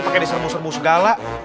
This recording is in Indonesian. pake diserbu serbu segala